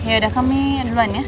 ya udah kami duluan ya